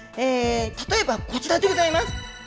例えばこちらでございます。